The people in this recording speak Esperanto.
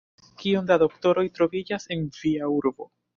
Kiom da doktoroj troviĝas en via urbo?